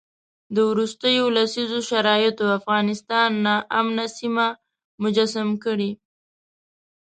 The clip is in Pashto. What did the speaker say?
د وروستیو لسیزو شرایطو افغانستان ناامنه سیمه مجسم کړی.